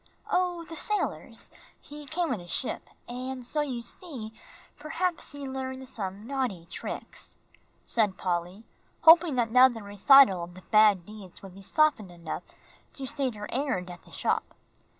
"Oh, the sailors; he came in a ship, and so you see, perhaps he learned some naughty tricks," said Polly, hoping that now the recital of the bad deeds would be softened enough to state her errand at the shop.